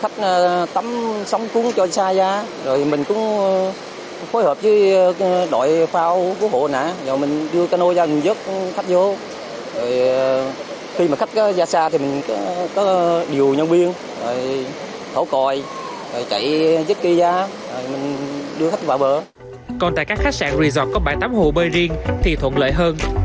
còn tại các khách sạn resort có bãi tắm hồ bơi riêng thì thuận lợi hơn